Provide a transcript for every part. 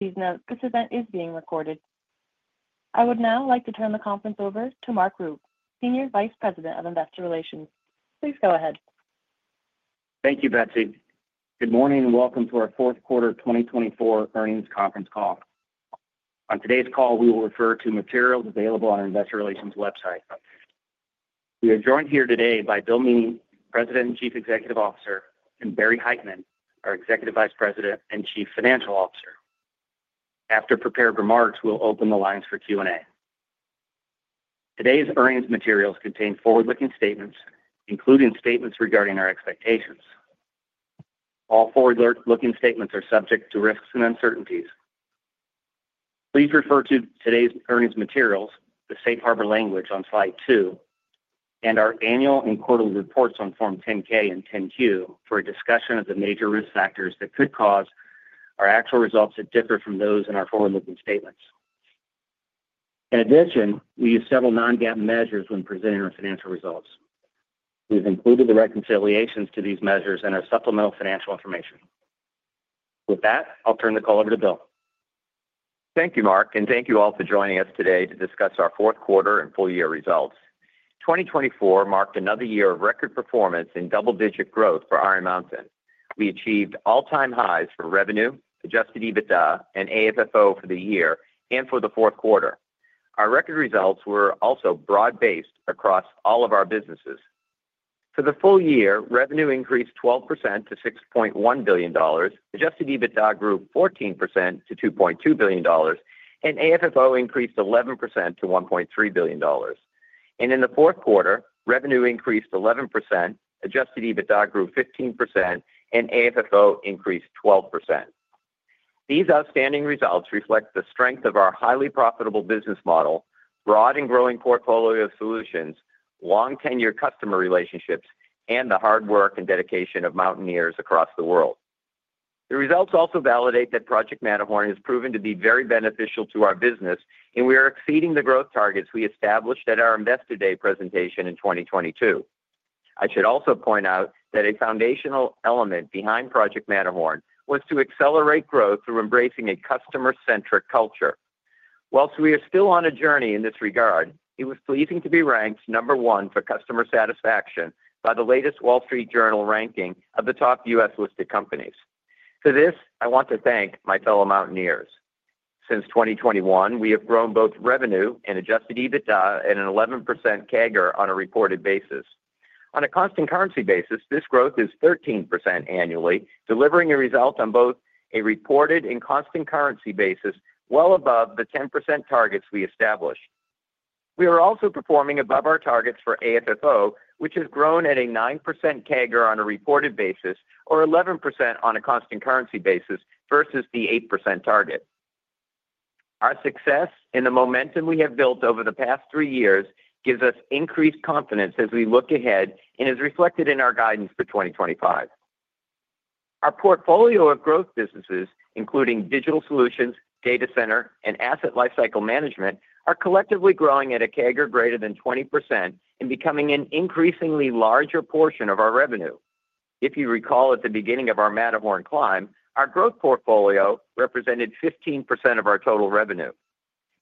Please note, this event is being recorded. I would now like to turn the conference over to Mark Rupe, Senior Vice President of Investor Relations. Please go ahead. Thank you, Betsy. Good morning and Welcome to our fourth quarter 2024 earnings conference call. On today's call, we will refer to materials available on our Investor Relations website. We are joined here today by Bill Meaney, President and Chief Executive Officer, and Barry Hytinen, our Executive Vice President and Chief Financial Officer. After prepared remarks, we'll open the lines for Q&A. Today's earnings materials contain forward-looking statements, including statements regarding our expectations. All forward-looking statements are subject to risks and uncertainties. Please refer to today's earnings materials, the safe harbor language on slide two, and our annual and quarterly reports on Form 10-K and 10-Q for a discussion of the major risk factors that could cause our actual results to differ from those in our forward-looking statements. In addition, we use several non-GAAP measures when presenting our financial results. We've included the reconciliations to these measures and our supplemental financial information. With that, I'll turn the call over to Bill. Thank you, Mark, and thank you all for joining us today to discuss our fourth quarter and full-year results. 2024 marked another year of record performance and double-digit growth for Iron Mountain. We achieved all-time highs for revenue, Adjusted EBITDA, and AFFO for the year and for the fourth quarter. Our record results were also broad-based across all of our businesses. For the full year, revenue increased 12% to $6.1 billion, Adjusted EBITDA grew 14% to $2.2 billion, and AFFO increased 11% to $1.3 billion. And in the fourth quarter, revenue increased 11%, Adjusted EBITDA grew 15%, and AFFO increased 12%. These outstanding results reflect the strength of our highly profitable business model, broad and growing portfolio of solutions, long 10-year customer relationships, and the hard work and dedication of Mountaineers across the world. The results also validate that Project Matterhorn has proven to be very beneficial to our business, and we are exceeding the growth targets we established at our Investor Day presentation in 2022. I should also point out that a foundational element behind Project Matterhorn was to accelerate growth through embracing a customer-centric culture. While we are still on a journey in this regard, it was pleasing to be ranked number one for customer satisfaction by the latest Wall Street Journal ranking of the top U.S.-listed companies. For this, I want to thank my fellow Mountaineers. Since 2021, we have grown both revenue and Adjusted EBITDA at an 11% CAGR on a reported basis. On a constant currency basis, this growth is 13% annually, delivering a result on both a reported and constant currency basis well above the 10% targets we established. We are also performing above our targets for AFFO, which has grown at a 9% CAGR on a reported basis or 11% on a constant currency basis versus the 8% target. Our success and the momentum we have built over the past three years gives us increased confidence as we look ahead and is reflected in our guidance for 2025. Our portfolio of growth businesses, including digital solutions, data center, and asset lifecycle management, are collectively growing at a CAGR greater than 20% and becoming an increasingly larger portion of our revenue. If you recall, at the beginning of our Matterhorn climb, our growth portfolio represented 15% of our total revenue.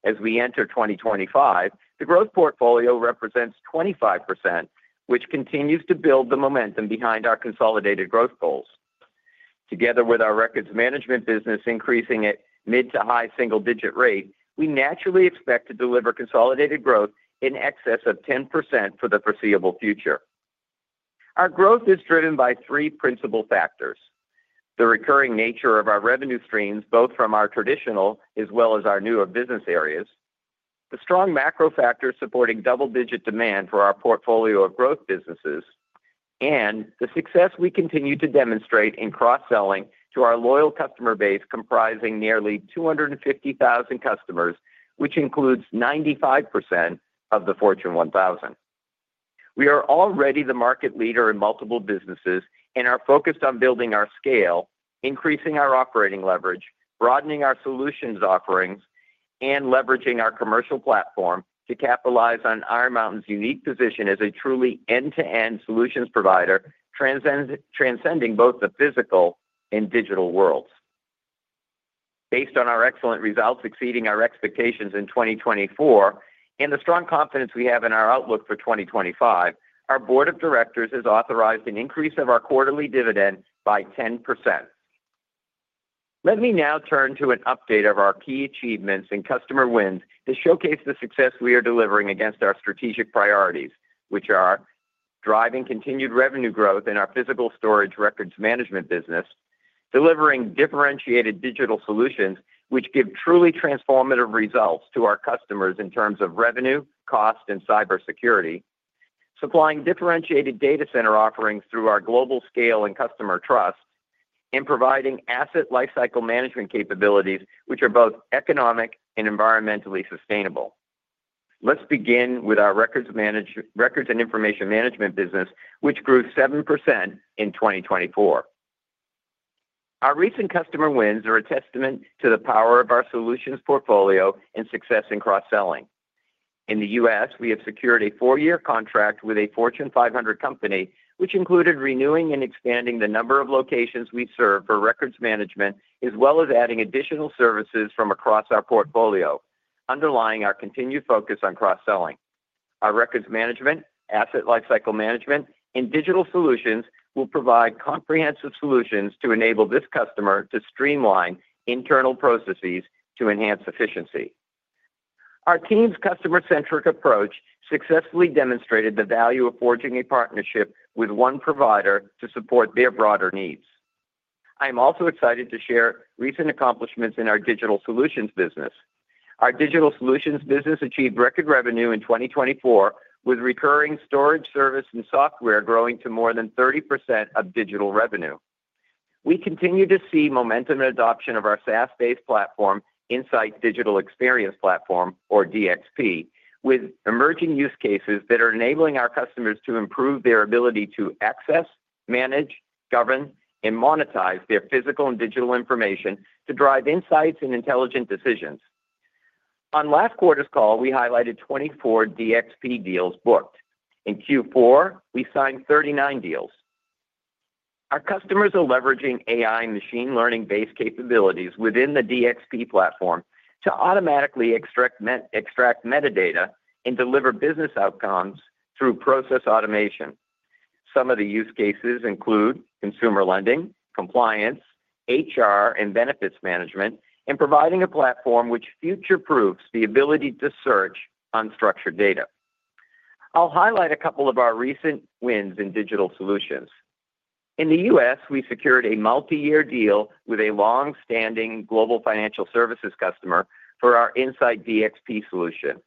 As we enter 2025, the growth portfolio represents 25%, which continues to build the momentum behind our consolidated growth goals. Together with our records management business increasing at mid to high single-digit rate, we naturally expect to deliver consolidated growth in excess of 10% for the foreseeable future. Our growth is driven by three principal factors: the recurring nature of our revenue streams both from our traditional as well as our newer business areas, the strong macro factor supporting double-digit demand for our portfolio of growth businesses, and the success we continue to demonstrate in cross-selling to our loyal customer base comprising nearly 250,000 customers, which includes 95% of the Fortune 1000. We are already the market leader in multiple businesses and are focused on building our scale, increasing our operating leverage, broadening our solutions offerings, and leveraging our commercial platform to capitalize on Iron Mountain's unique position as a truly end-to-end solutions provider, transcending both the physical and digital worlds. Based on our excellent results exceeding our expectations in 2024 and the strong confidence we have in our outlook for 2025, our Board of Directors has authorized an increase of our quarterly dividend by 10%. Let me now turn to an update of our key achievements and customer wins to showcase the success we are delivering against our strategic priorities, which are driving continued revenue growth in our physical storage records management business, delivering differentiated digital solutions which give truly transformative results to our customers in terms of revenue, cost, and cybersecurity, supplying differentiated data center offerings through our global scale and customer trust, and providing asset lifecycle management capabilities which are both economic and environmentally sustainable. Let's begin with our records and information management business, which grew 7% in 2024. Our recent customer wins are a testament to the power of our solutions portfolio and success in cross-selling. In the U.S., we have secured a four-year contract with a Fortune 500 company, which included renewing and expanding the number of locations we serve for records management as well as adding additional services from across our portfolio, underlying our continued focus on cross-selling. Our records management, asset lifecycle management, and digital solutions will provide comprehensive solutions to enable this customer to streamline internal processes to enhance efficiency. Our team's customer-centric approach successfully demonstrated the value of forging a partnership with one provider to support their broader needs. I am also excited to share recent accomplishments in our digital solutions business. Our digital solutions business achieved record revenue in 2024, with recurring storage service and software growing to more than 30% of digital revenue. We continue to see momentum and adoption of our SaaS-based platform, InSight Digital Experience Platform, or DXP, with emerging use cases that are enabling our customers to improve their ability to access, manage, govern, and monetize their physical and digital information to drive insights and intelligent decisions. On last quarter's call, we highlighted 24 DXP deals booked. In Q4, we signed 39 deals. Our customers are leveraging AI and machine learning-based capabilities within the DXP platform to automatically extract metadata and deliver business outcomes through process automation. Some of the use cases include consumer lending, compliance, HR, and benefits management, and providing a platform which future-proofs the ability to search unstructured data. I'll highlight a couple of our recent wins in digital solutions. In the U.S., we secured a multi-year deal with a long-standing global financial services customer for our InSight DXP solution.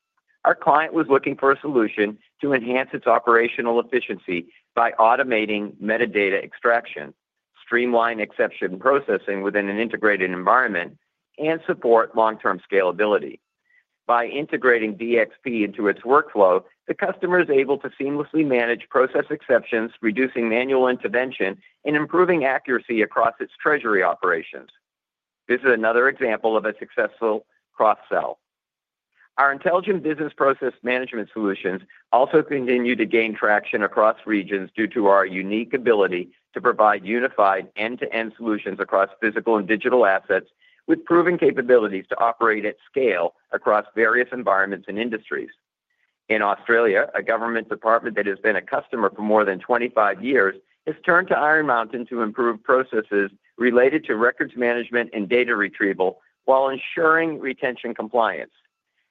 Our client was looking for a solution to enhance its operational efficiency by automating metadata extraction, streamline exception processing within an integrated environment, and support long-term scalability. By integrating DXP into its workflow, the customer is able to seamlessly manage process exceptions, reducing manual intervention and improving accuracy across its treasury operations. This is another example of a successful cross-sell. Our intelligent business process management solutions also continue to gain traction across regions due to our unique ability to provide unified end-to-end solutions across physical and digital assets, with proven capabilities to operate at scale across various environments and industries. In Australia, a government department that has been a customer for more than 25 years has turned to Iron Mountain to improve processes related to records management and data retrieval while ensuring retention compliance.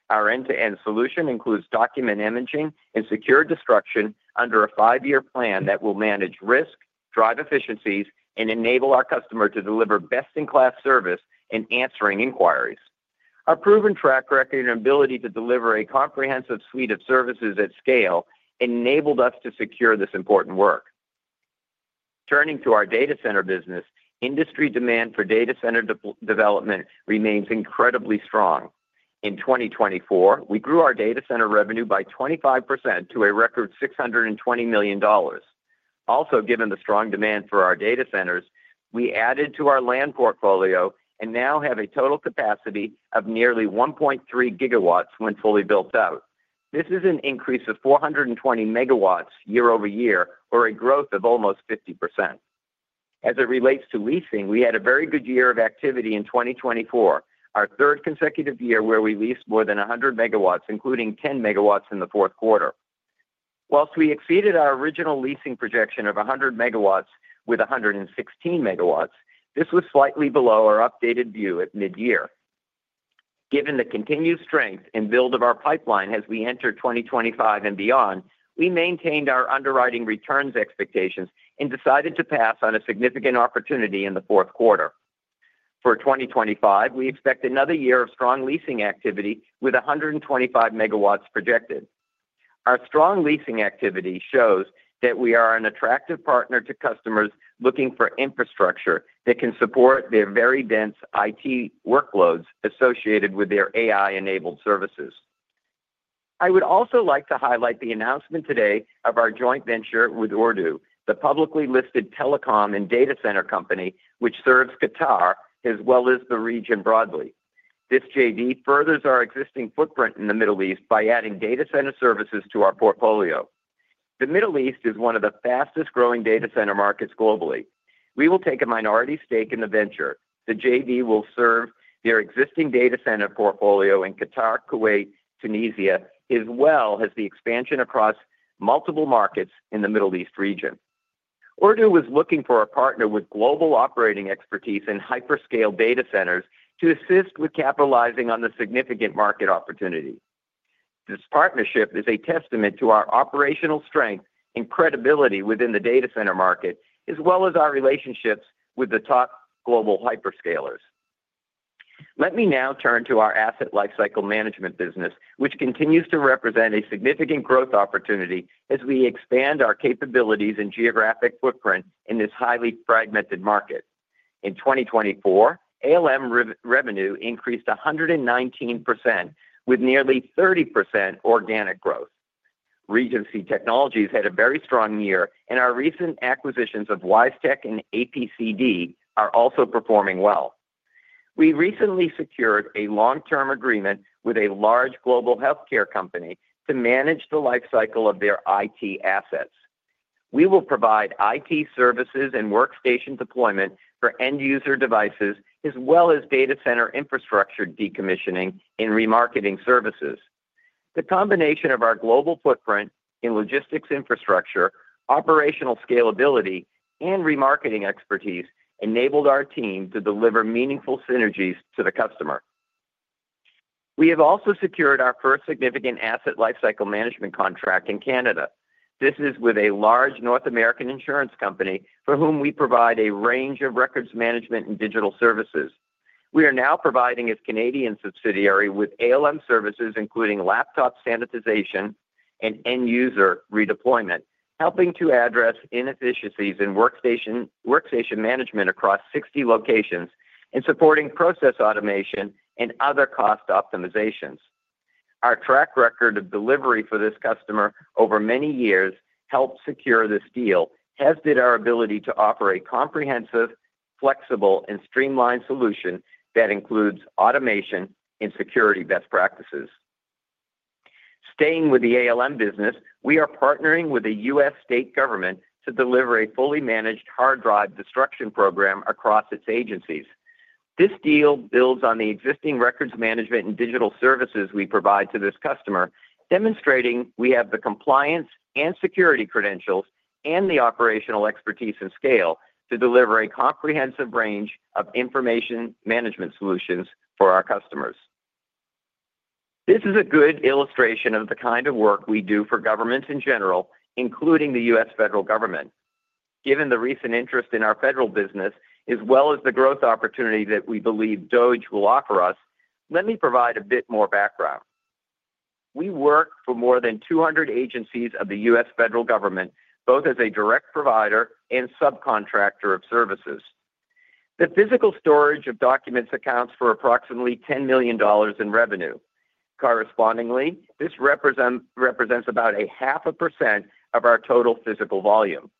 Our end-to-end solution includes document imaging and secure destruction under a five-year plan that will manage risk, drive efficiencies, and enable our customer to deliver best-in-class service in answering inquiries. Our proven track record and ability to deliver a comprehensive suite of services at scale enabled us to secure this important work. Turning to our data center business, industry demand for data center development remains incredibly strong. In 2024, we grew our data center revenue by 25% to a record $620 million. Also, given the strong demand for our data centers, we added to our land portfolio and now have a total capacity of nearly 1.3 GW when fully built out. This is an increase of 420 MW year over year, or a growth of almost 50%. As it relates to leasing, we had a very good year of activity in 2024, our third consecutive year where we leased more than 100 MW, including 10 MW in the fourth quarter. While we exceeded our original leasing projection of 100 MW with 116 MW, this was slightly below our updated view at mid-year. Given the continued strength and build of our pipeline as we enter 2025 and beyond, we maintained our underwriting returns expectations and decided to pass on a significant opportunity in the fourth quarter. For 2025, we expect another year of strong leasing activity with 125 MW projected. Our strong leasing activity shows that we are an attractive partner to customers looking for infrastructure that can support their very dense IT workloads associated with their AI-enabled services. I would also like to highlight the announcement today of our joint venture with Ooredoo, the publicly listed telecom and data center company which serves Qatar as well as the region broadly. This JV furthers our existing footprint in the Middle East by adding data center services to our portfolio. The Middle East is one of the fastest-growing data center markets globally. We will take a minority stake in the venture. The JV will serve their existing data center portfolio in Qatar, Kuwait, Tunisia, as well as the expansion across multiple markets in the Middle East region. Ooredoo is looking for a partner with global operating expertise in hyperscale data centers to assist with capitalizing on the significant market opportunity. This partnership is a testament to our operational strength and credibility within the data center market, as well as our relationships with the top global hyperscalers. Let me now turn to our asset lifecycle management business, which continues to represent a significant growth opportunity as we expand our capabilities and geographic footprint in this highly fragmented market. In 2024, ALM revenue increased 119% with nearly 30% organic growth. Regency Technologies had a very strong year, and our recent acquisitions of Wisetek and APCD are also performing well. We recently secured a long-term agreement with a large global healthcare company to manage the lifecycle of their IT assets. We will provide IT services and workstation deployment for end-user devices, as well as data center infrastructure decommissioning and remarketing services. The combination of our global footprint in logistics infrastructure, operational scalability, and remarketing expertise enabled our team to deliver meaningful synergies to the customer. We have also secured our first significant asset lifecycle management contract in Canada. This is with a large North American insurance company for whom we provide a range of records management and digital services. We are now providing a Canadian subsidiary with ALM services, including laptop sanitization and end-user redeployment, helping to address inefficiencies in workstation management across 60 locations and supporting process automation and other cost optimizations. Our track record of delivery for this customer over many years helped secure this deal, as did our ability to offer a comprehensive, flexible, and streamlined solution that includes automation and security best practices. Staying with the ALM business, we are partnering with the U.S. state government to deliver a fully managed hard drive destruction program across its agencies. This deal builds on the existing records management and digital services we provide to this customer, demonstrating we have the compliance and security credentials and the operational expertise and scale to deliver a comprehensive range of information management solutions for our customers. This is a good illustration of the kind of work we do for governments in general, including the U.S. federal government. Given the recent interest in our federal business, as well as the growth opportunity that we believe DOGE will offer us, let me provide a bit more background. We work for more than 200 agencies of the U.S. federal government, both as a direct provider and subcontractor of services. The physical storage of documents accounts for approximately $10 million in revenue. Correspondingly, this represents about 0.5% of our total physical volume.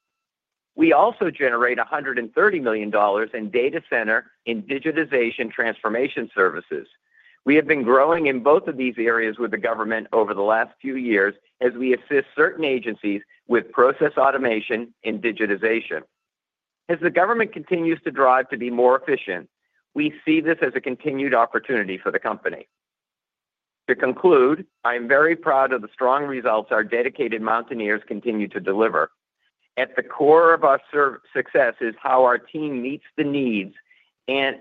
We also generate $130 million in data center and digitization transformation services. We have been growing in both of these areas with the government over the last few years as we assist certain agencies with process automation and digitization. As the government continues to drive to be more efficient, we see this as a continued opportunity for the company. To conclude, I am very proud of the strong results our dedicated Mountaineers continue to deliver. At the core of our success is how our team meets the needs and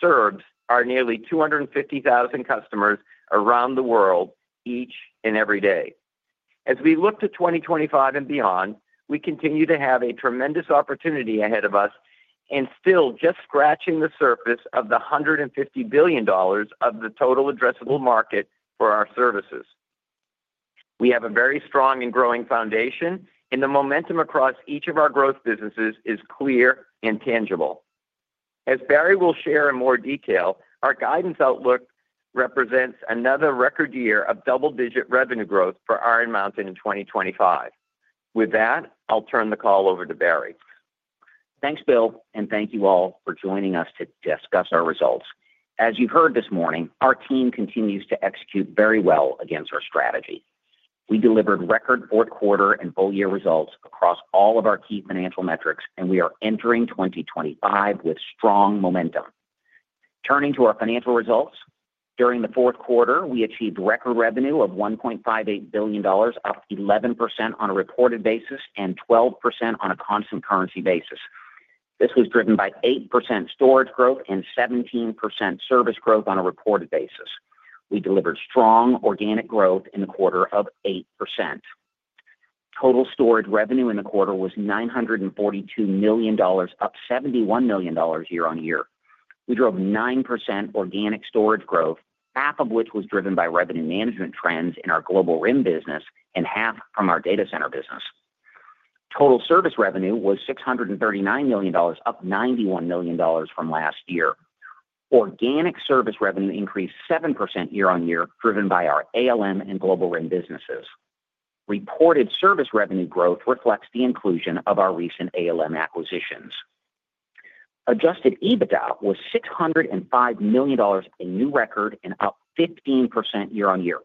serves our nearly 250,000 customers around the world each and every day. As we look to 2025 and beyond, we continue to have a tremendous opportunity ahead of us and still just scratching the surface of the $150 billion of the total addressable market for our services. We have a very strong and growing foundation, and the momentum across each of our growth businesses is clear and tangible. As Barry will share in more detail, our guidance outlook represents another record year of double-digit revenue growth for Iron Mountain in 2025. With that, I'll turn the call over to Barry. Thanks, Bill, and thank you all for joining us to discuss our results. As you've heard this morning, our team continues to execute very well against our strategy. We delivered record fourth-quarter and full-year results across all of our key financial metrics, and we are entering 2025 with strong momentum. Turning to our financial results, during the fourth quarter, we achieved record revenue of $1.58 billion, up 11% on a reported basis and 12% on a constant currency basis. This was driven by 8% storage growth and 17% service growth on a reported basis. We delivered strong organic growth in the quarter of 8%. Total storage revenue in the quarter was $942 million, up $71 million year on year. We drove 9% organic storage growth, half of which was driven by revenue management trends in our global RIM business and half from our data center business. Total service revenue was $639 million, up $91 million from last year. Organic service revenue increased 7% year on year, driven by our ALM and global RIM businesses. Reported service revenue growth reflects the inclusion of our recent ALM acquisitions. Adjusted EBITDA was $605 million, a new record and up 15% year on year.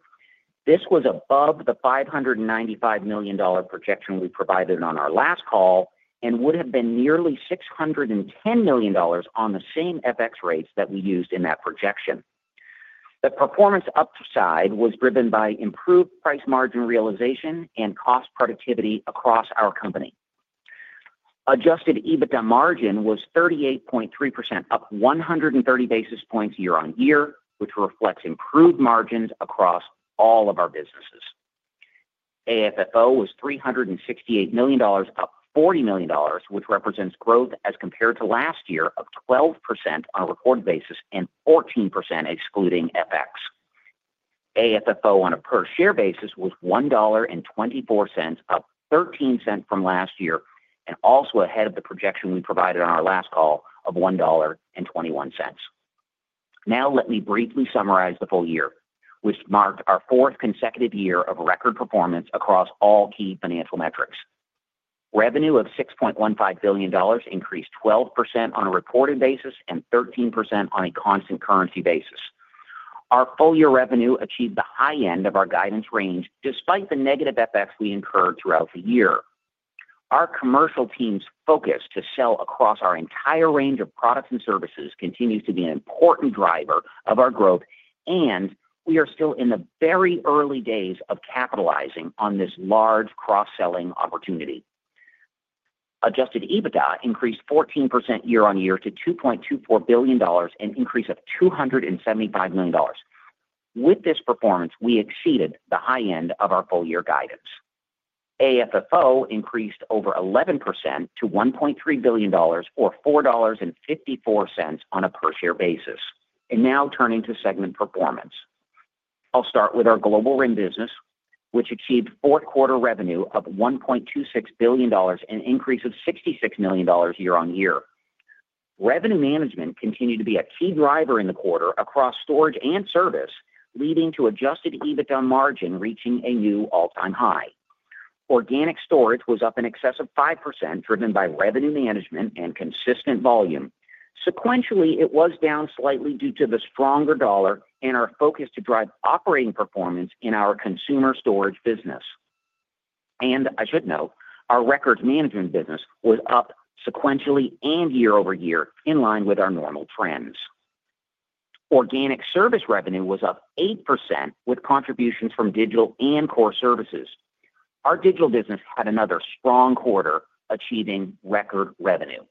This was above the $595 million projection we provided on our last call and would have been nearly $610 million on the same FX rates that we used in that projection. The performance upside was driven by improved price margin realization and cost productivity across our company. Adjusted EBITDA margin was 38.3%, up 130 basis points year on year, which reflects improved margins across all of our businesses. AFFO was $368 million, up $40 million, which represents growth as compared to last year of 12% on a reported basis and 14% excluding FX. AFFO on a per-share basis was $1.24, up 13% from last year, and also ahead of the projection we provided on our last call of $1.21. Now, let me briefly summarize the full year, which marked our fourth consecutive year of record performance across all key financial metrics. Revenue of $6.15 billion increased 12% on a reported basis and 13% on a constant currency basis. Our full-year revenue achieved the high end of our guidance range despite the negative FX we incurred throughout the year. Our commercial team's focus to sell across our entire range of products and services continues to be an important driver of our growth, and we are still in the very early days of capitalizing on this large cross-selling opportunity. Adjusted EBITDA increased 14% year on year to $2.24 billion, an increase of $275 million. With this performance, we exceeded the high end of our full-year guidance. AFFO increased over 11% to $1.3 billion, or $4.54 on a per-share basis, and now turning to segment performance. I'll start with our global RIM business, which achieved fourth-quarter revenue of $1.26 billion, an increase of $66 million year on year. Revenue management continued to be a key driver in the quarter across storage and service, leading to adjusted EBITDA margin reaching a new all-time high. Organic storage was up in excess of 5%, driven by revenue management and consistent volume. Sequentially, it was down slightly due to the stronger dollar and our focus to drive operating performance in our consumer storage business. And I should note, our records management business was up sequentially and year over year, in line with our normal trends. Organic service revenue was up 8%, with contributions from digital and core services. Our digital business had another strong quarter, achieving record revenue.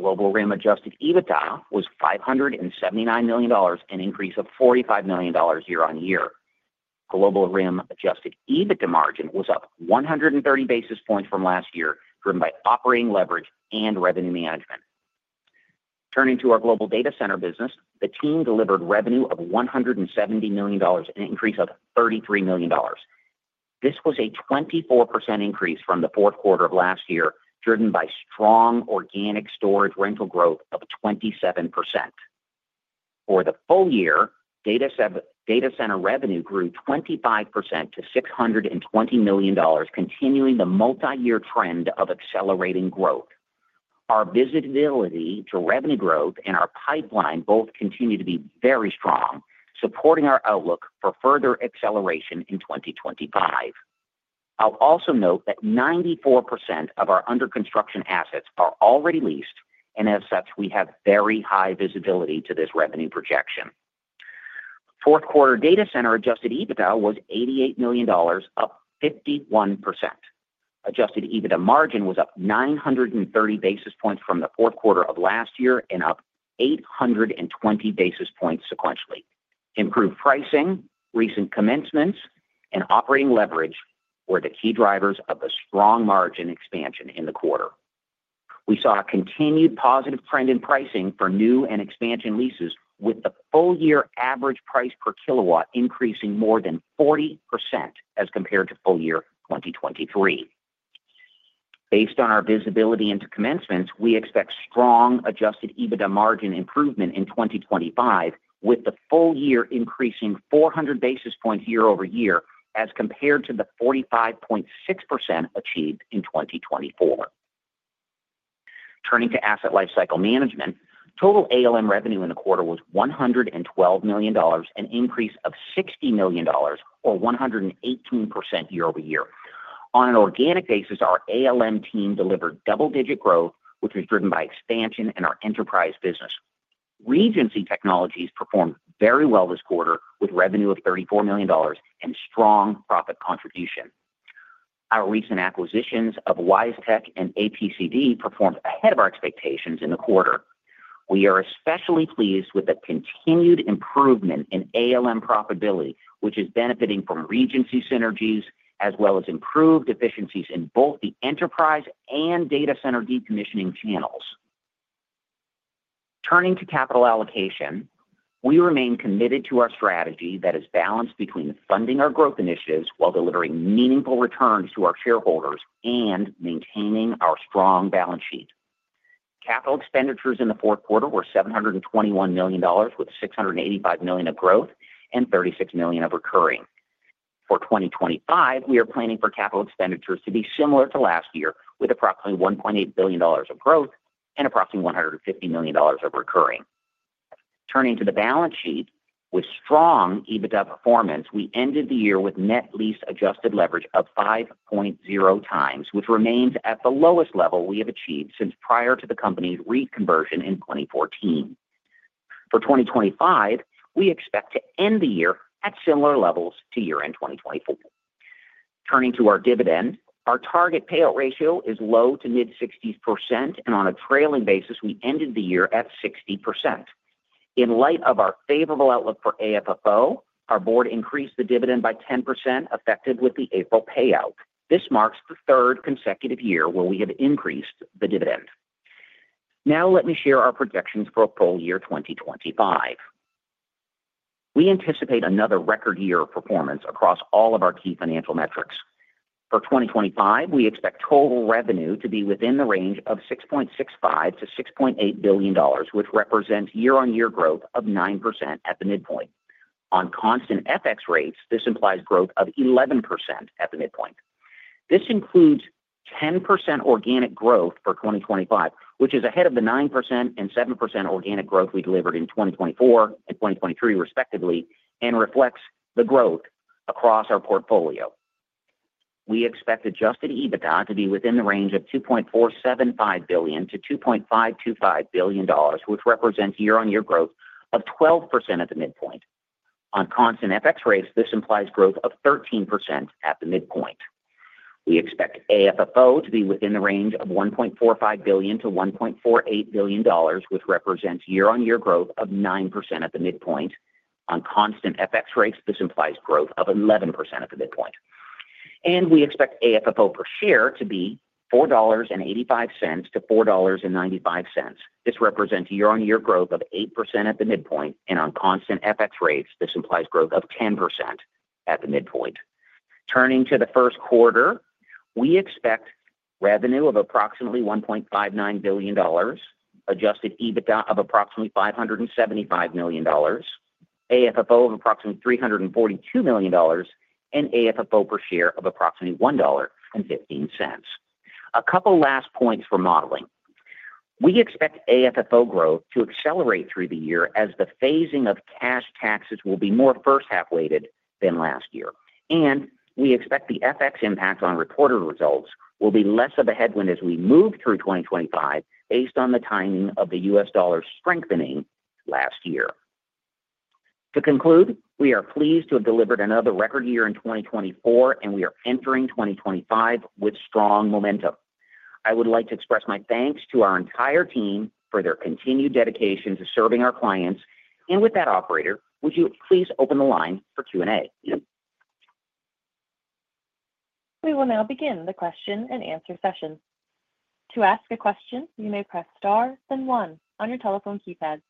Global RIM adjusted EBITDA was $579 million, an increase of $45 million year on year. Global RIM adjusted EBITDA margin was up 130 basis points from last year, driven by operating leverage and revenue management. Turning to our global data center business, the team delivered revenue of $170 million, an increase of $33 million. This was a 24% increase from the fourth quarter of last year, driven by strong organic storage rental growth of 27%. For the full year, data center revenue grew 25% to $620 million, continuing the multi-year trend of accelerating growth. Our visibility to revenue growth and our pipeline both continue to be very strong, supporting our outlook for further acceleration in 2025. I'll also note that 94% of our under-construction assets are already leased, and as such, we have very high visibility to this revenue projection. Fourth-quarter data center adjusted EBITDA was $88 million, up 51%. Adjusted EBITDA margin was up 930 basis points from the fourth quarter of last year and up 820 basis points sequentially. Improved pricing, recent commencements, and operating leverage were the key drivers of the strong margin expansion in the quarter. We saw a continued positive trend in pricing for new and expansion leases, with the full-year average price per kW increasing more than 40% as compared to full year 2023. Based on our visibility into commencements, we expect strong Adjusted EBITDA margin improvement in 2025, with the full year increasing 400 basis points year over year as compared to the 45.6% achieved in 2024. Turning to asset lifecycle management, total ALM revenue in the quarter was $112 million, an increase of $60 million, or 118% year over year. On an organic basis, our ALM team delivered double-digit growth, which was driven by expansion in our enterprise business. Regency Technologies performed very well this quarter, with revenue of $34 million and strong profit contribution. Our recent acquisitions of Wisetek and APCD performed ahead of our expectations in the quarter. We are especially pleased with the continued improvement in ALM profitability, which is benefiting from Regency synergies as well as improved efficiencies in both the enterprise and data center decommissioning channels. Turning to capital allocation, we remain committed to our strategy that is balanced between funding our growth initiatives while delivering meaningful returns to our shareholders and maintaining our strong balance sheet. Capital expenditures in the fourth quarter were $721 million, with $685 million of growth and $36 million of recurring. For 2025, we are planning for capital expenditures to be similar to last year, with approximately $1.8 billion of growth and approximately $150 million of recurring. Turning to the balance sheet, with strong EBITDA performance, we ended the year with net lease adjusted leverage of 5.0 times, which remains at the lowest level we have achieved since prior to the company's reconversion in 2014. For 2025, we expect to end the year at similar levels to year in 2024. Turning to our dividend, our target payout ratio is low to mid-60%, and on a trailing basis, we ended the year at 60%. In light of our favorable outlook for AFFO, our board increased the dividend by 10%, effective with the April payout. This marks the third consecutive year where we have increased the dividend. Now, let me share our projections for full year 2025. We anticipate another record year of performance across all of our key financial metrics. For 2025, we expect total revenue to be within the range of $6.65-$6.8 billion, which represents year-on-year growth of 9% at the midpoint. On constant FX rates, this implies growth of 11% at the midpoint. This includes 10% organic growth for 2025, which is ahead of the 9% and 7% organic growth we delivered in 2024 and 2023, respectively, and reflects the growth across our portfolio. We expect Adjusted EBITDA to be within the range of $2.475 billion-$2.525 billion, which represents year-on-year growth of 12% at the midpoint. On constant FX rates, this implies growth of 13% at the midpoint. We expect AFFO to be within the range of $1.45 billion-$1.48 billion, which represents year-on-year growth of 9% at the midpoint. On constant FX rates, this implies growth of 11% at the midpoint, and we expect AFFO per share to be $4.85-$4.95. This represents year-on-year growth of 8% at the midpoint, and on constant FX rates, this implies growth of 10% at the midpoint. Turning to the first quarter, we expect revenue of approximately $1.59 billion, Adjusted EBITDA of approximately $575 million, AFFO of approximately $342 million, and AFFO per share of approximately $1.15. A couple last points for modeling. We expect AFFO growth to accelerate through the year as the phasing of cash taxes will be more first-half weighted than last year, and we expect the FX impact on reported results will be less of a headwind as we move through 2025, based on the timing of the U.S. dollar strengthening last year. To conclude, we are pleased to have delivered another record year in 2024, and we are entering 2025 with strong momentum. I would like to express my thanks to our entire team for their continued dedication to serving our clients, and with that, Operator, would you please open the line for Q&A? We will now begin the question and answer session. To ask a question, you may press star then one on your telephone keypad.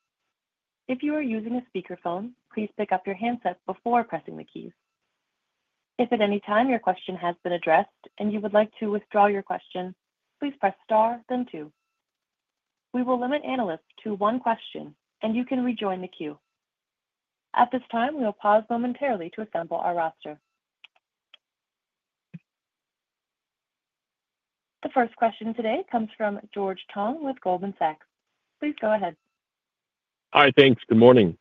If you are using a speakerphone, please pick up your handset before pressing the keys. If at any time your question has been addressed and you would like to withdraw your question, please press star then two. We will limit analysts to one question, and you can rejoin the queue. At this time, we will pause momentarily to assemble our roster. The first question today comes from George Tong with Goldman Sachs. Please go ahead. Hi, thanks. Good morning.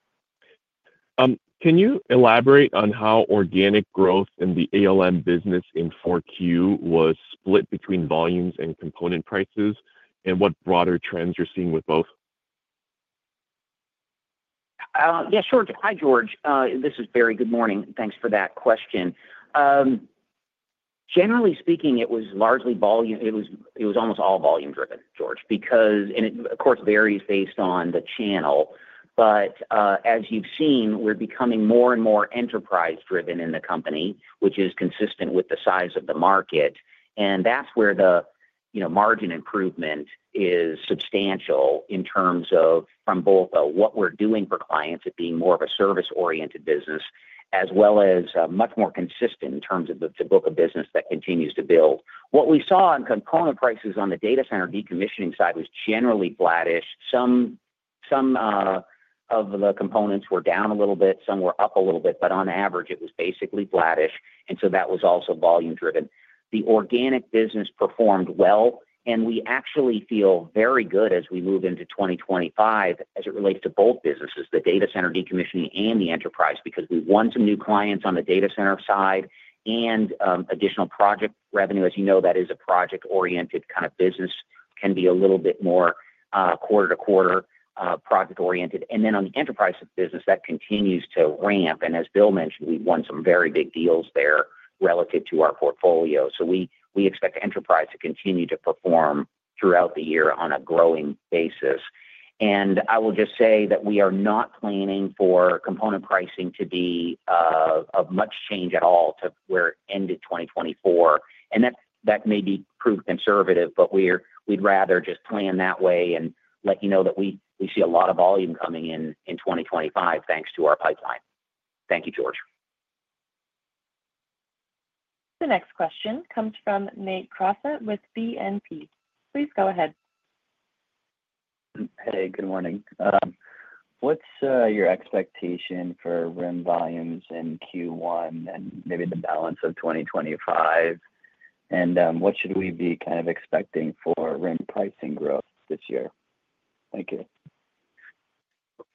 Can you elaborate on how organic growth in the ALM business in 4Q was split between volumes and component prices, and what broader trends you're seeing with both? Yeah, sure. Hi, George. This is Barry. Good morning. Thanks for that question. Generally speaking, it was largely volume. It was almost all volume-driven, George, because, and it, of course, varies based on the channel. But as you've seen, we're becoming more and more enterprise-driven in the company, which is consistent with the size of the market. And that's where the margin improvement is substantial in terms of from both what we're doing for clients as being more of a service-oriented business, as well as much more consistent in terms of the book of business that continues to build. What we saw in component prices on the data center decommissioning side was generally flattish. Some of the components were down a little bit. Some were up a little bit, but on average, it was basically flattish, and so that was also volume-driven. The organic business performed well, and we actually feel very good as we move into 2025 as it relates to both businesses, the data center decommissioning and the enterprise, because we won some new clients on the data center side and additional project revenue. As you know, that is a project-oriented kind of business, can be a little bit more quarter-to-quarter project-oriented. And then on the enterprise business, that continues to ramp. And as Bill mentioned, we've won some very big deals there relative to our portfolio. So we expect enterprise to continue to perform throughout the year on a growing basis. And I will just say that we are not planning for component pricing to be of much change at all to where it ended 2024. That may be proved conservative, but we'd rather just plan that way and let you know that we see a lot of volume coming in 2025 thanks to our pipeline. Thank you, George. The next question comes from Nate Crossett with BNP. Please go ahead. Hey, good morning. What's your expectation for RIM volumes in Q1 and maybe the balance of 2025? And what should we be kind of expecting for RIM pricing growth this year? Thank you.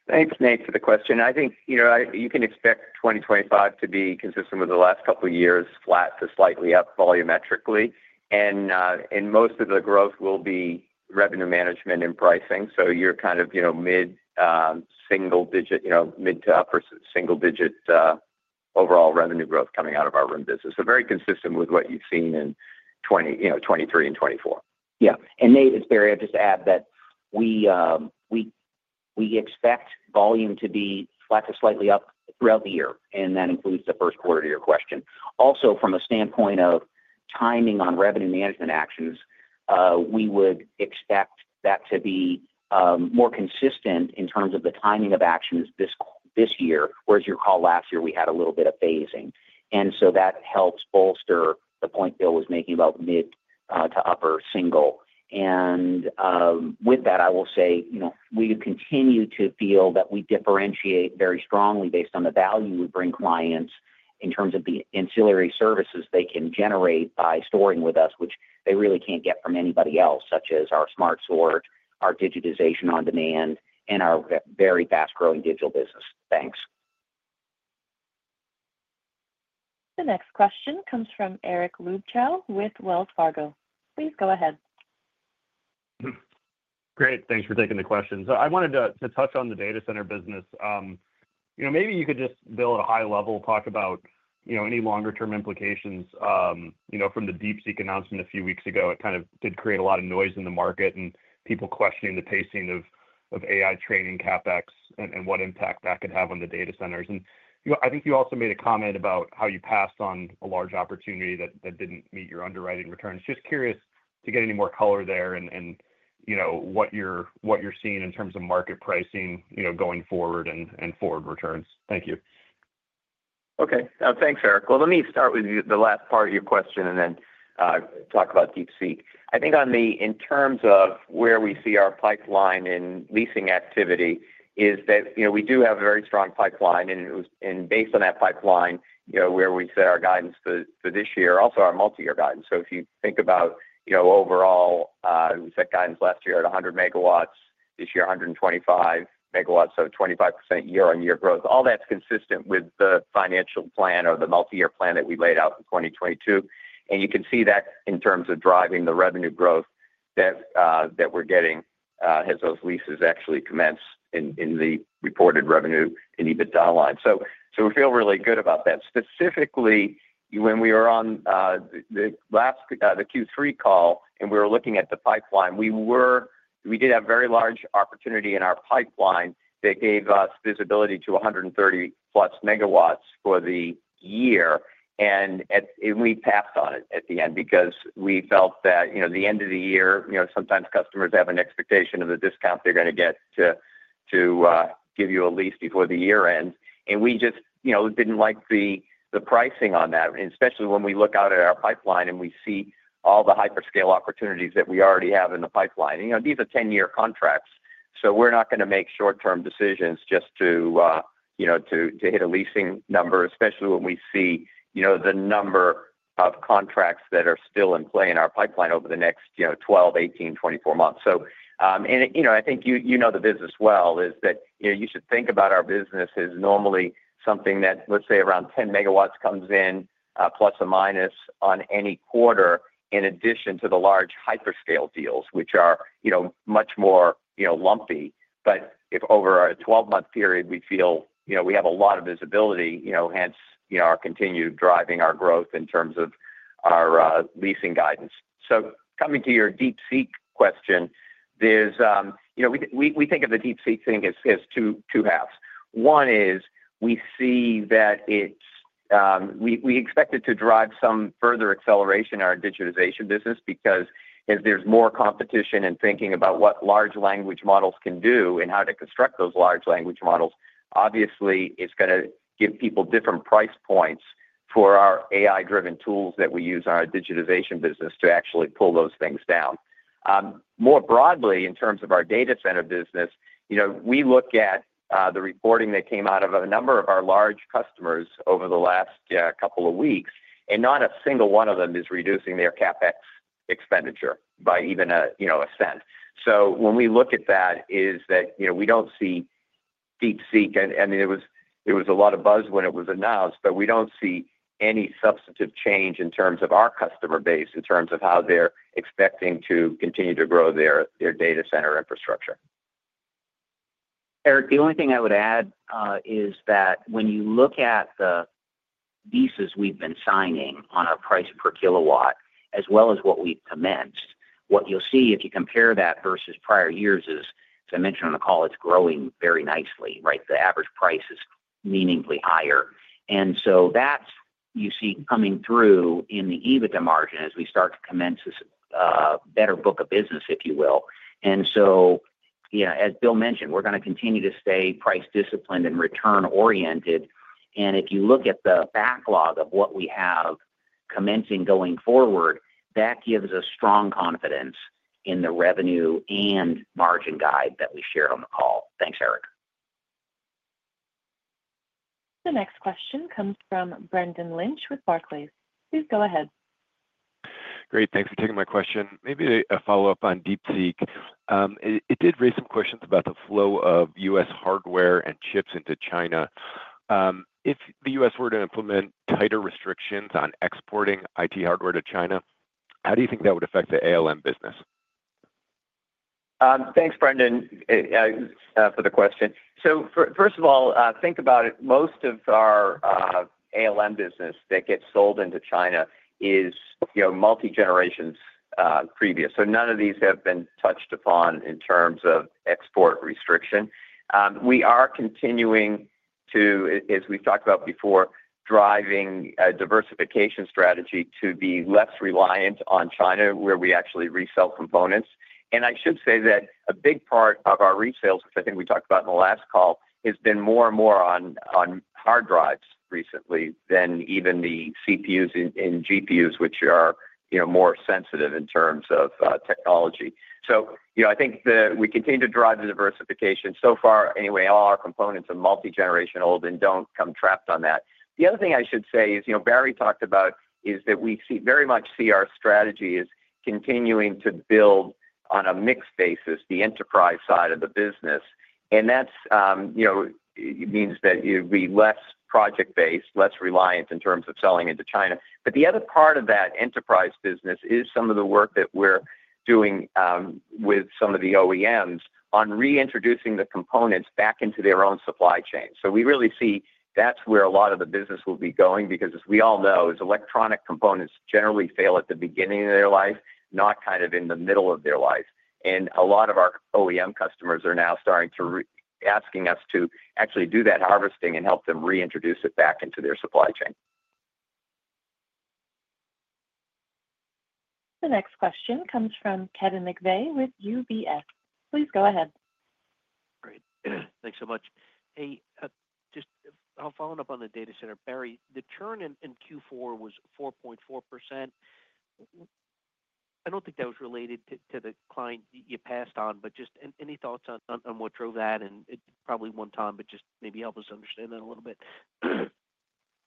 Thanks, Nate, for the question. I think you can expect 2025 to be consistent with the last couple of years, flat to slightly up volumetrically, and most of the growth will be revenue management and pricing, so you're kind of mid-single digit, mid to upper single digit overall revenue growth coming out of our RIM business, so very consistent with what you've seen in 2023 and 2024. Yeah. And Nate, it's Barry. I'll just add that we expect volume to be flat to slightly up throughout the year. And that includes the first quarter-year question. Also, from a standpoint of timing on revenue management actions, we would expect that to be more consistent in terms of the timing of actions this year, whereas your call last year, we had a little bit of phasing. And so that helps bolster the point Bill was making about mid to upper single. And with that, I will say we continue to feel that we differentiate very strongly based on the value we bring clients in terms of the ancillary services they can generate by storing with us, which they really can't get from anybody else, such as our Smart Sort, our digitization on demand, and our very fast-growing digital business. Thanks. The next question comes from Eric Luebchow with Wells Fargo. Please go ahead. Great. Thanks for taking the question. So I wanted to touch on the data center business. Maybe you could just, Bill, at a high level, talk about any longer-term implications from the DeepSeek announcement a few weeks ago. It kind of did create a lot of noise in the market and people questioning the pacing of AI training CapEx and what impact that could have on the data centers. And I think you also made a comment about how you passed on a large opportunity that didn't meet your underwriting returns. Just curious to get any more color there and what you're seeing in terms of market pricing going forward and forward returns. Thank you. Okay. Thanks, Eric. Well, let me start with the last part of your question and then talk about DeepSeek. I think in terms of where we see our pipeline in leasing activity is that we do have a very strong pipeline. And based on that pipeline, where we set our guidance for this year, also our multi-year guidance. So if you think about overall, we set guidance last year at 100 MW, this year 125 MW, so 25% year-on-year growth. All that's consistent with the financial plan or the multi-year plan that we laid out in 2022. And you can see that in terms of driving the revenue growth that we're getting as those leases actually commence in the reported revenue and EBITDA line. So we feel really good about that. Specifically, when we were on the Q3 call and we were looking at the pipeline, we did have a very large opportunity in our pipeline that gave us visibility to 130+ MW for the year. And we passed on it at the end because we felt that the end of the year, sometimes customers have an expectation of the discount they're going to get to give you a lease before the year ends. And we just didn't like the pricing on that, especially when we look out at our pipeline and we see all the hyperscale opportunities that we already have in the pipeline. These are 10-year contracts, so we're not going to make short-term decisions just to hit a leasing number, especially when we see the number of contracts that are still in play in our pipeline over the next 12, 18, 24 months. And I think you know the business well, is that you should think about our business as normally something that, let's say, around 10 MW comes in, plus or minus, on any quarter, in addition to the large hyperscale deals, which are much more lumpy. But if over a 12-month period, we feel we have a lot of visibility, hence our continued driving our growth in terms of our leasing guidance. So coming to your DeepSeek question, we think of the DeepSeek thing as two halves. One is we see that we expect it to drive some further acceleration in our digitization business because as there's more competition and thinking about what large language models can do and how to construct those large language models, obviously, it's going to give people different price points for our AI-driven tools that we use in our digitization business to actually pull those things down. More broadly, in terms of our data center business, we look at the reporting that came out of a number of our large customers over the last couple of weeks, and not a single one of them is reducing their CapEx expenditure by even a cent. So when we look at that, is that we don't see DeepSeek. I mean, there was a lot of buzz when it was announced, but we don't see any substantive change in terms of our customer base in terms of how they're expecting to continue to grow their data center infrastructure. Eric, the only thing I would add is that when you look at the leases we've been signing on our price per kW, as well as what we've commenced, what you'll see if you compare that versus prior years is, as I mentioned on the call, it's growing very nicely, right? The average price is meaningfully higher. And so that you see coming through in the EBITDA margin as we start to commence this better book of business, if you will. And so, as Bill mentioned, we're going to continue to stay price-disciplined and return-oriented. And if you look at the backlog of what we have commencing going forward, that gives us strong confidence in the revenue and margin guide that we shared on the call. Thanks, Eric. The next question comes from Brendan Lynch with Barclays. Please go ahead. Great. Thanks for taking my question. Maybe a follow-up on DeepSeek. It did raise some questions about the flow of U.S. hardware and chips into China. If the U.S. were to implement tighter restrictions on exporting IT hardware to China, how do you think that would affect the ALM business? Thanks, Brendan, for the question. So first of all, think about it. Most of our ALM business that gets sold into China is multi-generations previous. So none of these have been touched upon in terms of export restriction. We are continuing to, as we've talked about before, driving a diversification strategy to be less reliant on China, where we actually resell components. And I should say that a big part of our resales, which I think we talked about in the last call, has been more and more on hard drives recently than even the CPUs and GPUs, which are more sensitive in terms of technology. So I think we continue to drive the diversification. So far, anyway, all our components are multi-generational and don't come under that. The other thing I should say, as Barry talked about, is that we very much see our strategy as continuing to build on a mixed basis, the enterprise side of the business. And that means that it would be less project-based, less reliant in terms of selling into China. But the other part of that enterprise business is some of the work that we're doing with some of the OEMs on reintroducing the components back into their own supply chain. So we really see that's where a lot of the business will be going because, as we all know, electronic components generally fail at the beginning of their life, not kind of in the middle of their life. And a lot of our OEM customers are now starting to ask us to actually do that harvesting and help them reintroduce it back into their supply chain. The next question comes from Kevin McVeigh with UBS. Please go ahead. Great. Thanks so much. Hey, just following up on the data center, Barry, the churn in Q4 was 4.4%. I don't think that was related to the client you passed on, but just any thoughts on what drove that? And it's probably one time, but just maybe help us understand that a little bit.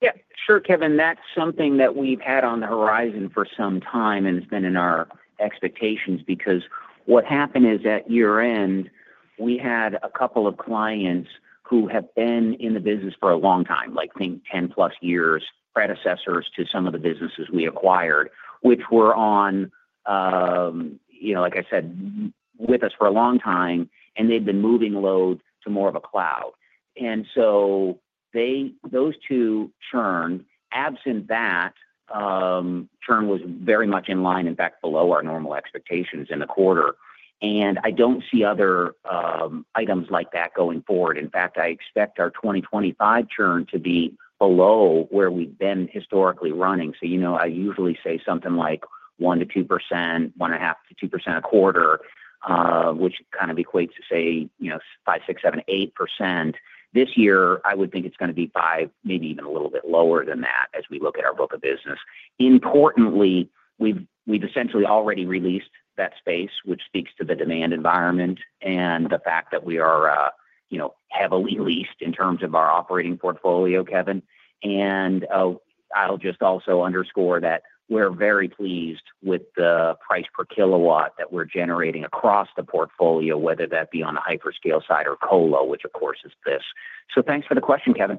Yeah. Sure, Kevin. That's something that we've had on the horizon for some time and has been in our expectations because what happened is at year-end, we had a couple of clients who have been in the business for a long time, like 10-plus years, predecessors to some of the businesses we acquired, which were on, like I said, with us for a long time, and they've been moving load to more of a cloud. And so those two churned. Absent that, churn was very much in line, in fact, below our normal expectations in the quarter. And I don't see other items like that going forward. In fact, I expect our 2025 churn to be below where we've been historically running. So I usually say something like 1%-2%, 1.5%-2% a quarter, which kind of equates to, say, 5%, 6%, 7%, 8%. This year, I would think it's going to be five, maybe even a little bit lower than that as we look at our book of business. Importantly, we've essentially already released that space, which speaks to the demand environment and the fact that we are heavily leased in terms of our operating portfolio, Kevin, and I'll just also underscore that we're very pleased with the price per kW that we're generating across the portfolio, whether that be on the hyperscale side or colo, which, of course, is this, so thanks for the question, Kevin.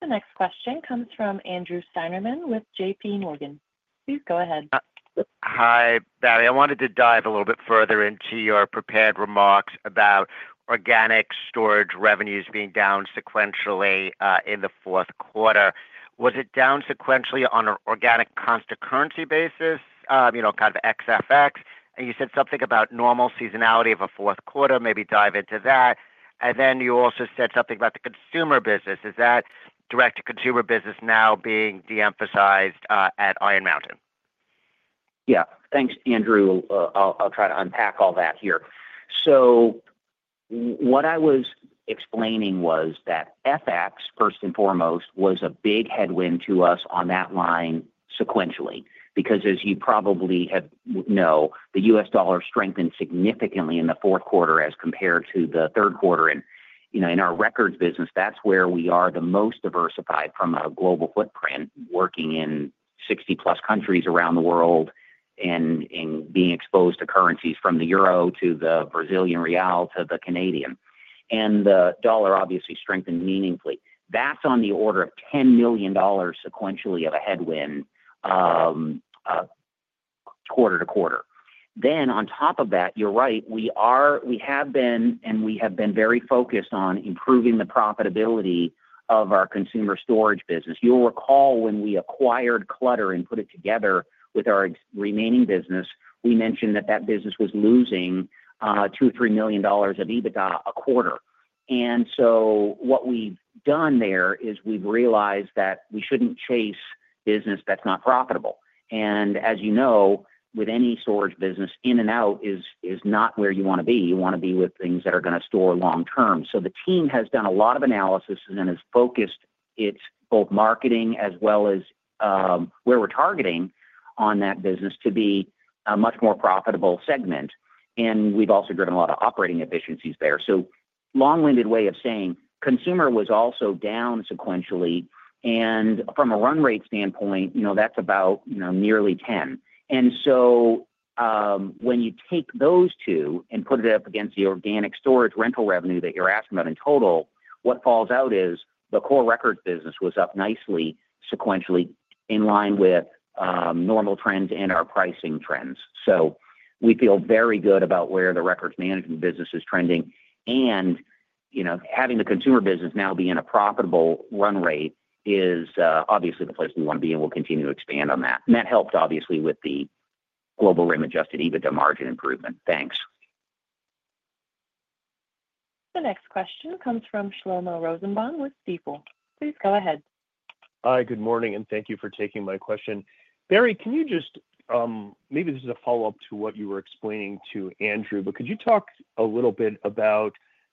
The next question comes from Andrew Steinerman with JPMorgan. Please go ahead. Hi, Barry. I wanted to dive a little bit further into your prepared remarks about organic storage revenues being down sequentially in the fourth quarter. Was it down sequentially on an organic constant currency basis, kind of ex-FX? And you said something about normal seasonality of a fourth quarter, maybe dive into that. And then you also said something about the consumer business. Is that direct-to-consumer business now being de-emphasized at Iron Mountain? Yeah. Thanks, Andrew. I'll try to unpack all that here. So what I was explaining was that FX, first and foremost, was a big headwind to us on that line sequentially because, as you probably know, the U.S. dollar strengthened significantly in the fourth quarter as compared to the third quarter. And in our records business, that's where we are the most diversified from a global footprint, working in 60-plus countries around the world and being exposed to currencies from the euro to the Brazilian real to the Canadian. And the dollar obviously strengthened meaningfully. That's on the order of $10 million sequentially of a headwind quarter to quarter. Then on top of that, you're right, we have been and we have been very focused on improving the profitability of our consumer storage business. You'll recall when we acquired Clutter and put it together with our remaining business, we mentioned that that business was losing $2 million-$3 million of EBITDA a quarter. And so what we've done there is we've realized that we shouldn't chase business that's not profitable. And as you know, with any storage business, in and out is not where you want to be. You want to be with things that are going to store long-term. So the team has done a lot of analysis and has focused its both marketing as well as where we're targeting on that business to be a much more profitable segment. And we've also driven a lot of operating efficiencies there. So long-winded way of saying, consumer was also down sequentially. And from a run rate standpoint, that's about nearly 10. And so, when you take those two and put it up against the organic storage rental revenue that you're asking about in total, what falls out is the core records business was up nicely sequentially in line with normal trends and our pricing trends. So we feel very good about where the records management business is trending. And having the consumer business now be in a profitable run rate is obviously the place we want to be, and we'll continue to expand on that. And that helped, obviously, with the global RIM-adjusted EBITDA margin improvement. Thanks. The next question comes from Shlomo Rosenbaum with Stifel. Please go ahead. Hi, good morning, and thank you for taking my question. Barry, can you just maybe this is a follow-up to what you were explaining to Andrew, but could you talk a little bit about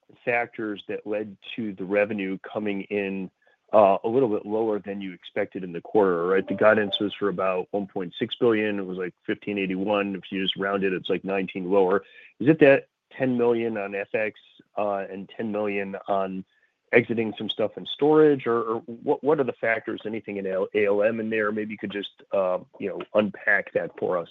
the factors that led to the revenue coming in a little bit lower than you expected in the quarter, right? The guidance was for about $1.6 billion. It was like 1581. If you just round it, it's like $19 million lower. Is it that $10 million on FX and $10 million on exiting some stuff in storage? Or what are the factors? Anything in ALM in there? Maybe you could just unpack that for us.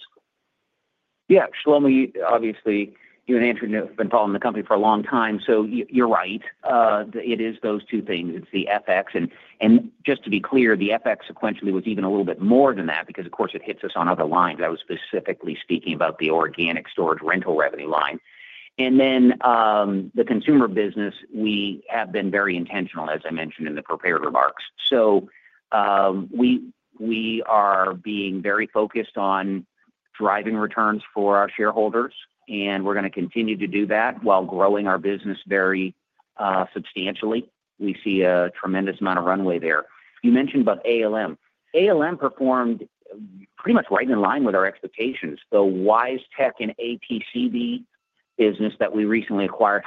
Yeah. Shlomo, obviously, you and Andrew have been following the company for a long time. So you're right. It is those two things. It's the FX. And just to be clear, the FX sequentially was even a little bit more than that because, of course, it hits us on other lines. I was specifically speaking about the organic storage rental revenue line. And then the consumer business, we have been very intentional, as I mentioned in the prepared remarks. So we are being very focused on driving returns for our shareholders, and we're going to continue to do that while growing our business very substantially. We see a tremendous amount of runway there. You mentioned about ALM. ALM performed pretty much right in line with our expectations. The Wisetek and APCD business that we recently acquired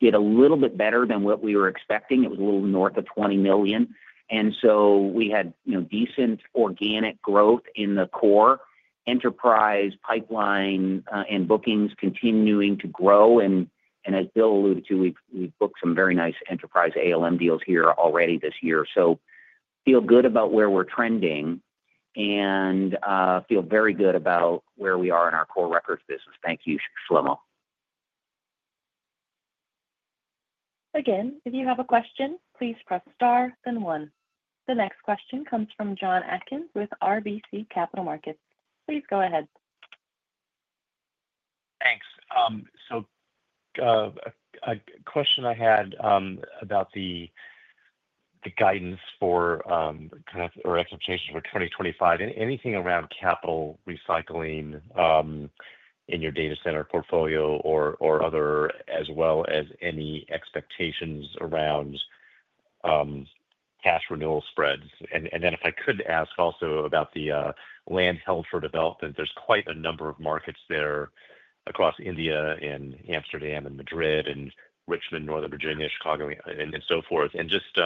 did a little bit better than what we were expecting. It was a little north of $20 million, and so we had decent organic growth in the core, enterprise pipeline and bookings continuing to grow, and as Bill alluded to, we've booked some very nice enterprise ALM deals here already this year, so feel good about where we're trending and feel very good about where we are in our core records business. Thank you, Shlomo. Again, if you have a question, please press star, then one. The next question comes from John Atkins with RBC Capital Markets. Please go ahead. Thanks. So a question I had about the guidance for kind of our expectations for 2025. Anything around capital recycling in your data center portfolio or other, as well as any expectations around cash renewal spreads? And then if I could ask also about the land held for development, there's quite a number of markets there across India and Amsterdam and Madrid and Richmond, Northern Virginia, Chicago, and so forth. And just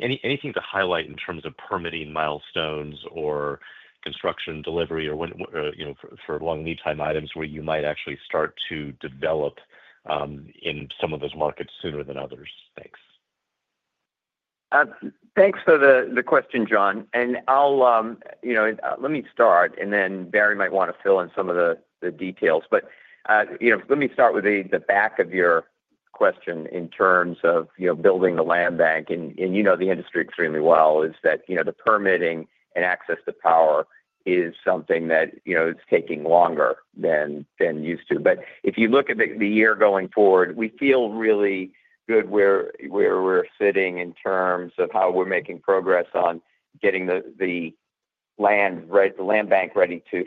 anything to highlight in terms of permitting milestones or construction delivery or for long lead time items where you might actually start to develop in some of those markets sooner than others? Thanks. Thanks for the question, John. And let me start, and then Barry might want to fill in some of the details. But let me start with the back of your question in terms of building the land bank. And you know the industry extremely well is that the permitting and access to power is something that is taking longer than used to. But if you look at the year going forward, we feel really good where we're sitting in terms of how we're making progress on getting the land bank ready to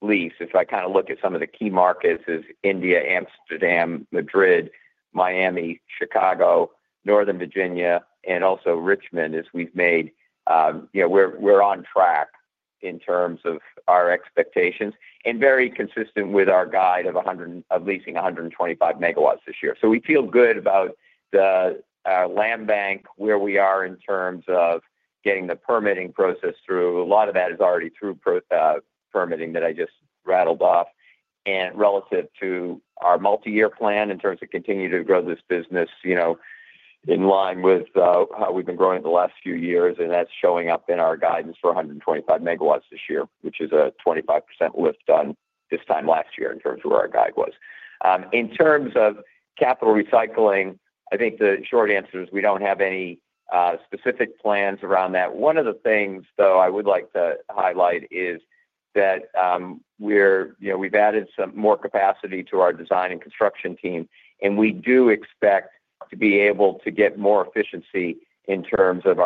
lease. If I kind of look at some of the key markets is India, Amsterdam, Madrid, Miami, Chicago, Northern Virginia, and also Richmond, as we've made where we're on track in terms of our expectations and very consistent with our guide of leasing 125 MW this year. We feel good about our land bank, where we are in terms of getting the permitting process through. A lot of that is already through permitting that I just rattled off. Relative to our multi-year plan in terms of continuing to grow this business in line with how we've been growing the last few years, and that's showing up in our guidance for 125 MW this year, which is a 25% lift done this time last year in terms of where our guide was. In terms of capital recycling, I think the short answer is we don't have any specific plans around that. One of the things, though, I would like to highlight is that we've added some more capacity to our design and construction team, and we do expect to be able to get more efficiency in terms of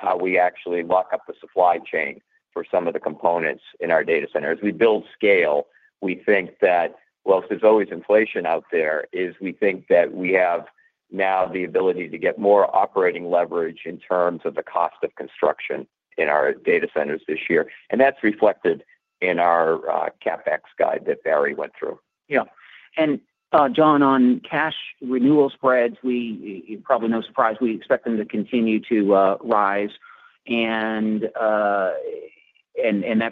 how we actually lock up the supply chain for some of the components in our data center. As we build scale, we think that, well, if there's always inflation out there, we think that we have now the ability to get more operating leverage in terms of the cost of construction in our data centers this year, and that's reflected in our CapEx guide that Barry went through. Yeah, and John, on cash renewal spreads, probably no surprise, we expect them to continue to rise. And that's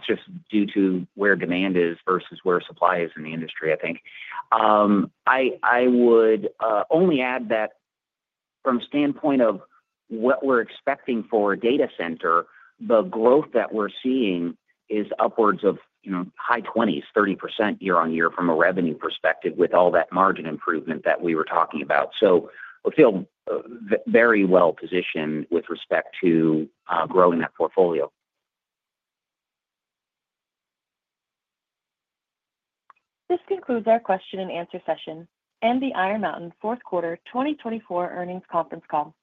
just due to where demand is versus where supply is in the industry, I think. I would only add that from the standpoint of what we're expecting for a data center, the growth that we're seeing is upwards of high 20s, 30% year-on-year from a revenue perspective with all that margin improvement that we were talking about. So we feel very well positioned with respect to growing that portfolio. This concludes our question and answer session and the Iron Mountain Fourth Quarter 2024 earnings conference call.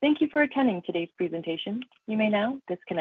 Thank you for attending today's presentation. You may now disconnect.